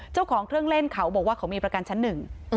เจ้าของเครื่องเล่นเขาบอกว่าเขามีประกันชั้นหนึ่ง